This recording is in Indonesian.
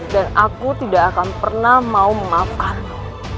dan aku tidak akan pernah mau mengaafkanmu